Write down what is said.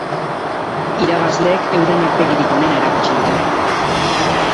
Irabazleek euren aurpegirik onena erakutsi dute.